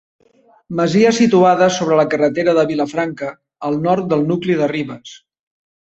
Masia situada sobre la carretera de Vilafranca, al nord del nucli de Ribes.